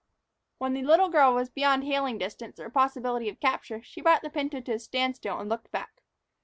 When the little girl was beyond hailing distance or possibility of capture, she brought the pinto to a standstill and looked back.